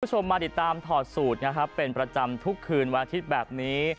คุณผู้ชมมาติดตามถอดสูตรนะครับเป็นประจำทุกคืนวันอาทิตย์แบบนี้